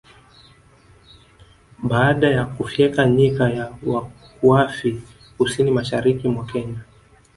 Baada ya kufyeka Nyika ya Wakuafi kusini mashariki mwa Kenya